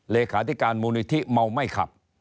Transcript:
เลขาธิการมูลนิธิเมาไม่ขับ